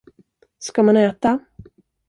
Ska man äta?